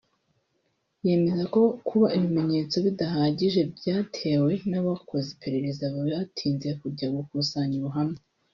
yemeza ko kuba ibimenyetso bidahagije byatewe n’abakoze iperereza batinze kujya gukusanya ubuhamya